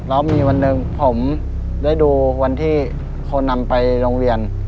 แล้วมีวันหนึ่งผมได้ดูวันที่เขานำไปโรงเรียน